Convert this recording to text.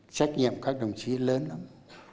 trách nhiệm các đồng chí lớn lắm